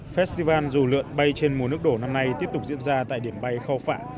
festival dù lượn bay trên mùa nước đổ năm nay tiếp tục diễn ra tại điểm bay khao phạ